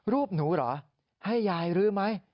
รูปหนูเหรอให้ยายรื้อไหม